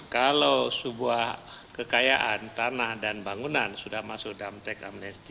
kalau sebuah kekayaan tanah dan bangunan sudah masuk dalam teks amnesti